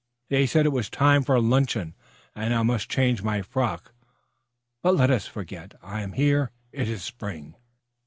They said it was time for luncheon, and I must change my frock. But let us forget. I am here! It is spring!"